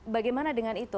bagaimana dengan itu